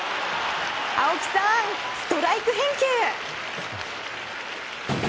青木さん、ストライク返球！